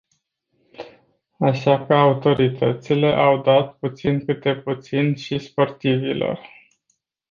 Așa că autoritățile au dat puțin câte puțin și sportivilor.